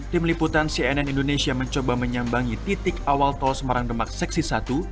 tim liputan cnn indonesia mencoba menyambangi titik awal tol semarang demak seksi satu